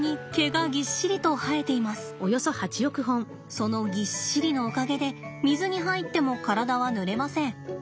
そのぎっしりのおかげで水に入っても体はぬれません。